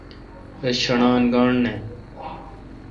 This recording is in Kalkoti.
رس شݨان گانٹھ نہ۔